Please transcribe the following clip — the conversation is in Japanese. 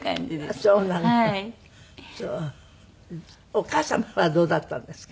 お母様はどうだったんですか？